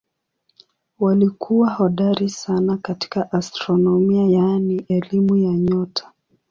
Walikuwa hodari sana katika astronomia yaani elimu ya nyota.